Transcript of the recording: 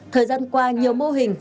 thời gian qua nhiều mô hình